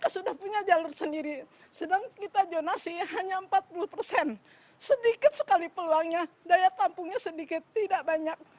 sedikit sekali peluangnya daya tampungnya sedikit tidak banyak